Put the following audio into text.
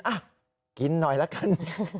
อ่ะกินหน่อยละกัน